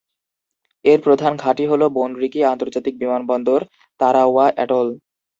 এর প্রধান ঘাঁটি হল বোনরিকি আন্তর্জাতিক বিমানবন্দর, তারাওয়া অ্যাটল।